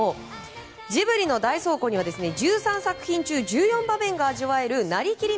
ジブリの大倉庫には１３作品１４場面が味わえるなりきり